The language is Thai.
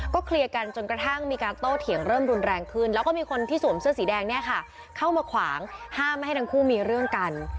เคลียร์กันจนกระทั่งมีการโต้เถียงเริ่มรุนแรงขึ้นแล้วก็มีคนที่สวมเสื้อสีแดงเนี่ยค่ะเข้ามาขวางห้ามไม่ให้ทั้งคู่มีเรื่องกัน